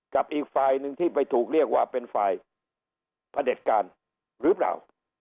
กับอีกฝ่ายหนึ่งที่ไปถูกเรียกว่าเป็นฝ่ายพระเด็จการหรือเปล่า